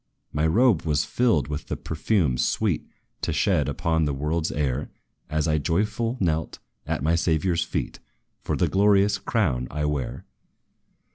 "My robe was filled with the perfume sweet To shed upon this world's air, As I joyful knelt, at my Saviour's feet, For the glorious crown I wear.